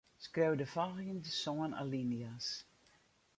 Skriuw de folgjende sân alinea's.